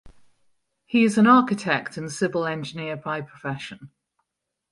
He is an architect and civil engineer by profession.